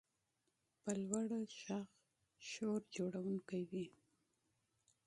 په لوړ غږ شور جوړونکی وي.